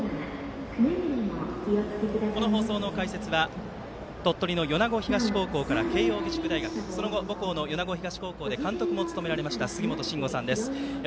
この放送の解説は鳥取の米子東高校から慶応義塾大学その後、母校の米子東高校で監督も務められました杉本真吾さんです。